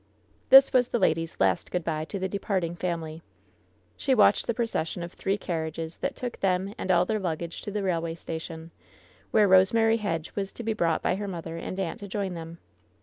This was the lady's last good by to the departing family. She watched the procession of three carriages that took them and all their luggage to the railway station, where Rosemary Hedge was to be brought by her mother and aunt to join them.